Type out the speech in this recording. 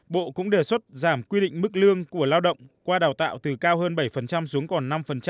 bộ cũng đề xuất giảm quy định mức lương của lao động qua đào tạo từ cao hơn bảy xuống còn năm